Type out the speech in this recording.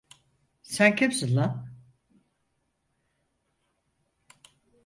Sen kimsin lan?